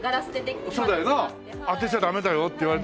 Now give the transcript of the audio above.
当てちゃダメだよって言われたもんな。